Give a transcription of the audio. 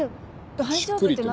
大丈夫って何？